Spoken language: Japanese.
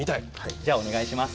じゃあお願いします。